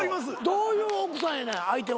どういう奥さんやねん相手は。